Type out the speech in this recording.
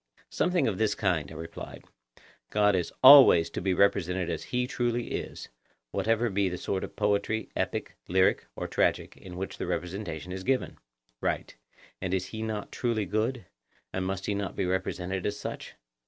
Something of this kind, I replied:—God is always to be represented as he truly is, whatever be the sort of poetry, epic, lyric or tragic, in which the representation is given. Right. And is he not truly good? and must he not be represented as such?